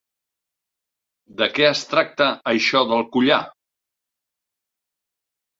De què es tracta això del collar?